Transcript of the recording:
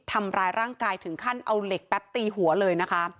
ทำร้ายร่างกายถึงขั้นเอาเหล็กแป๊บตีหัวเลยนะคะ